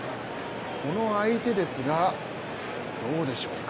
この相手ですがどうでしょうか？